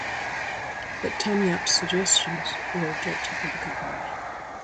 But Tan Yap's suggestions were rejected by the Government.